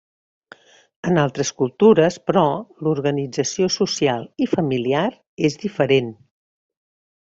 En altres cultures però l'organització social i familiar és diferent.